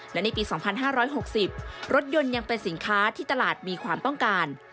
และในปี๒๕๖๐รถยนต์ยังเป็นสินค้าที่ตลาดมีความต้องการ